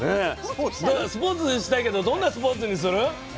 スポーツしたいけどどんなスポーツにする？